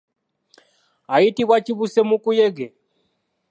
Ayitibwa kibusemukuyege.